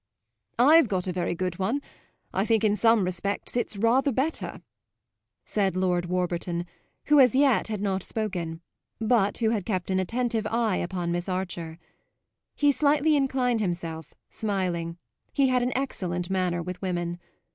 "I've got a very good one; I think in some respects it's rather better," said Lord Warburton, who as yet had not spoken, but who had kept an attentive eye upon Miss Archer. He slightly inclined himself, smiling; he had an excellent manner with women.